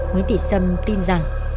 nguyễn tị xâm tin rằng